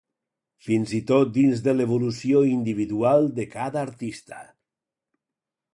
Fins i tot dins l'evolució individual de cada artista.